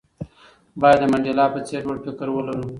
باید د منډېلا په څېر لوړ فکر ولرو.